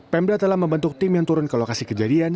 pemda telah membentuk tim yang turun ke lokasi kejadian